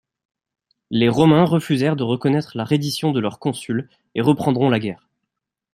Les Romains refusèrent de reconnaître la reddition de leurs consuls et reprendront la guerre.